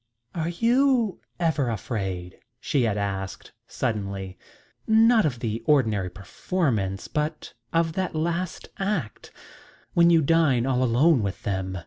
"Are you ever afraid?" she had asked suddenly "not of the ordinary performance, but of that last act, when you dine all alone with them?"